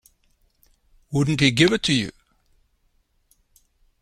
Wouldn't he give it to you?